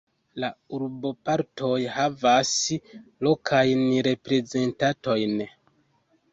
La urbopartoj havas lokajn reprezentantojn.